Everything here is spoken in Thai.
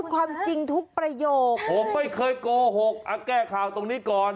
โกหกเอาแก้ข่าวตรงนี้ก่อน